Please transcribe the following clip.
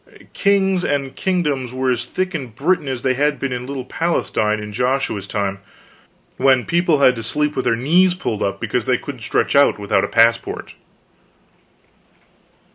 "Kings" and "Kingdoms" were as thick in Britain as they had been in little Palestine in Joshua's time, when people had to sleep with their knees pulled up because they couldn't stretch out without a passport.